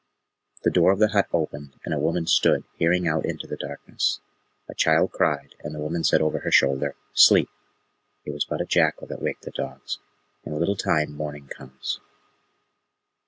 The door of the hut opened, and a woman stood peering out into the darkness. A child cried, and the woman said over her shoulder, "Sleep. It was but a jackal that waked the dogs. In a little time morning comes."